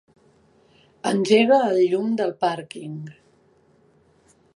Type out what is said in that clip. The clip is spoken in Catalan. Engega el llum del pàrquing.